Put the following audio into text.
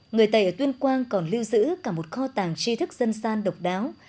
người tây ở tuyên quang còn lưu giữ cả một kho tàng tri thức dân gian độc đáo